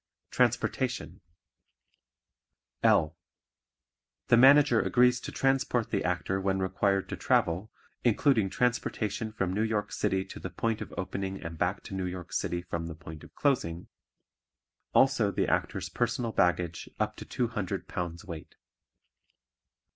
Transportation (L) The Manager agrees to transport the Actor when required to travel, including transportation from New York City to the point of opening and back to New York City from the point of closing; also the Actor's personal baggage up to two hundred pounds weight.